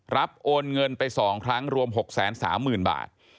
โอนเงินไป๒ครั้งรวม๖๓๐๐๐บาท